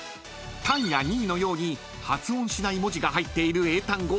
［「Ｔｏｎｇｕｅ」や「Ｋｎｅｅ」のように発音しない文字が入っている英単語